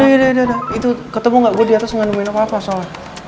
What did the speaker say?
yaudah yaudah yaudah ketemu gak gue diatas gak nemuin apa apa soalnya